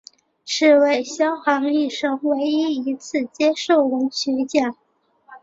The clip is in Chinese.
此为萧沆一生唯一一次接受文学奖。